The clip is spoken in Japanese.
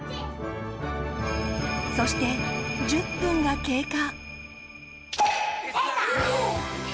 そして１０分が経過。